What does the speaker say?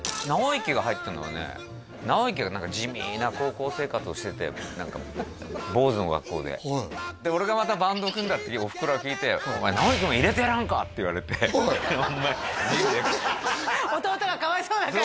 尚之が入ったのはね尚之が何か地味な高校生活をしてて何か坊主の学校でで俺がまたバンドを組んだっておふくろが聞いて「お前尚之も入れてやらんか」って言われて弟がかわいそうだから？